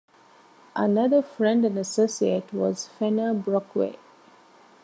Another friend and associate was Fenner Brockway.